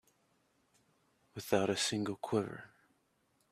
Without a single quiver.